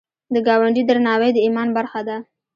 د ګاونډي درناوی د ایمان برخه ده